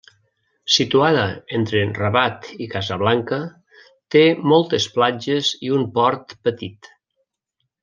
Situada entre Rabat i Casablanca, té moltes platges i un port petit.